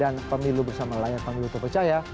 dan pemilu bersama layar pemilu terpercaya